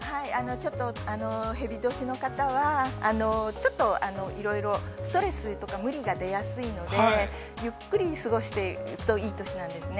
◆ちょっとへび年の方は、ちょっといろいろ、ストレスとか無理が出やすいので、ゆっくり過ごしていくといい年なんですね。